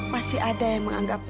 masih ada yang menganggap